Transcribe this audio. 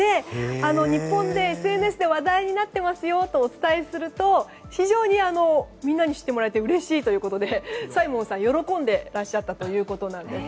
日本でＳＮＳで話題になっていますよとお伝えしますとみんなに知ってもらえてうれしいということでサイモンさん喜んでいらっしゃったということなんです。